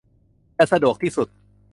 จะสะดวกที่สุด